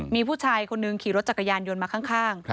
มีผู้ชายคนหนึ่งขี่รถจักรยานยนต์มาข้าง